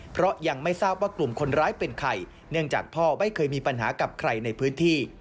เพราะยังไม่ทราบว่ากลุ่มคนร้ายเป็นใครเนื่องจากพ่อไม่เคยมีปัญหากับใครในพื้นที่